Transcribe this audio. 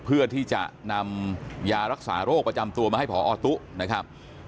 เพื่อที่จะนำยารักษาโรคประจำตัวมาให้พอตุนะครับ